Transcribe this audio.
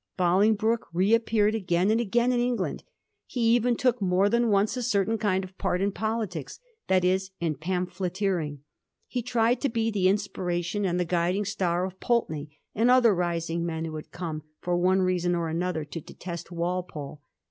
Bolingbroke reappeared again and again in England. He even took more than once a certain kind of part in politics ; that is in pamphleteering ; he tried to be the inspiration and the guiding star of Pulteney and other rising men who had come, for one reason or another, to detest Walpole.